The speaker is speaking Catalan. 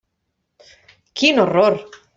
Quin horror!